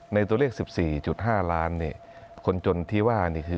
ในตัวเลข๑๔๕ล้านคนจนที่ว่านี่คือ